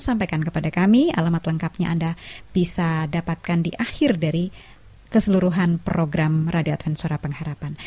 sampaikan kepada kami alamat lengkapnya anda bisa dapatkan di akhir dari keseluruhan program radio adventura pengharapan